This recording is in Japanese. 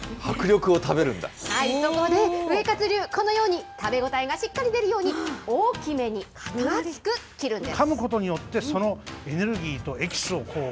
そこで、ウエカツ流、このように食べ応えがしっかり出るように、大きめに分厚く切るんです。